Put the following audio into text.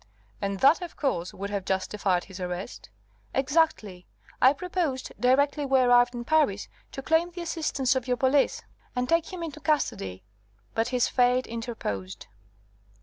"And that, of course, would have justified his arrest?" "Exactly. I proposed, directly we arrived in Paris, to claim the assistance of your police and take him into custody. But his fate interposed."